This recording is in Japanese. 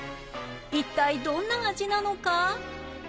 一体どんな味なのか？